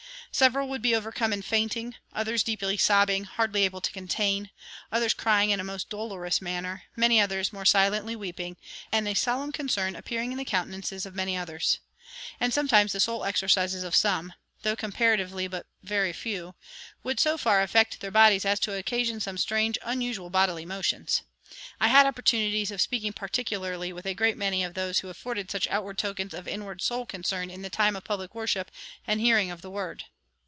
Several would be overcome and fainting; others deeply sobbing, hardly able to contain; others crying in a most dolorous manner; many others more silently weeping, and a solemn concern appearing in the countenances of many others. And sometimes the soul exercises of some (though comparatively but very few) would so far affect their bodies as to occasion some strange, unusual bodily motions. I had opportunities of speaking particularly with a great many of those who afforded such outward tokens of inward soul concern in the time of public worship and hearing of the Word.